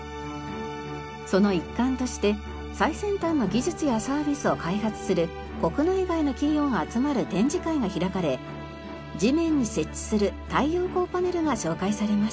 その一環として最先端の技術やサービスを開発する国内外の企業が集まる展示会が開かれ地面に設置する太陽光パネルが紹介されました。